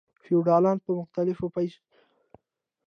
فیوډالانو په مختلفو پلمو پیسې ټولولې.